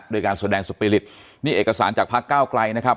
ด้วยการแสดงสปีฤตินี่เอกสารจากภาคเก้าไกรนะครับ